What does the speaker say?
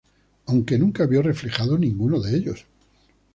Aunque nunca vio reflejado ninguno de ellos.